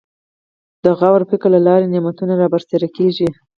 د غور او فکر له لارې نعمتونه رابرسېره کېږي.